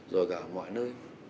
rồi cả mọi nơi